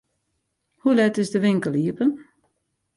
Hoe let is de winkel iepen?